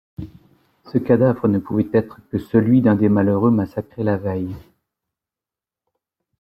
Ce cadavre ne pouvait être que celui d’un des malheureux massacrés la veille.